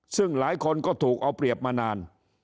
ซึ่งหลายคนก็ถูกเอาเปรียบมานาน